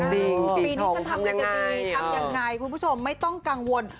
ปีนี้จะทำอย่างไรคุณผู้ชมไม่ต้องกังวล